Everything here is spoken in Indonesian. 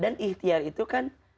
dan ikhtiar itu kan